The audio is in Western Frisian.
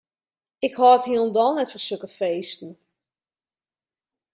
Ik hâld hielendal net fan sokke feesten.